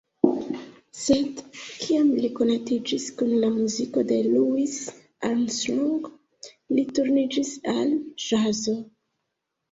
Sed kiam li konatiĝis kun la muziko de Louis Armstrong, li turniĝis al ĵazo.